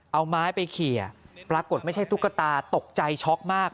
เอาไม้ไปเขียปรากฏไม่ใช่ตุ๊กตาตกใจช็อกมาก